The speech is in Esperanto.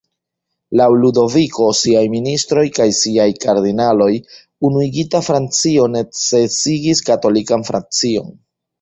Laŭ Ludoviko, siaj ministroj kaj siaj kardinaloj, unuigita Francio necesigis katolikan Francion.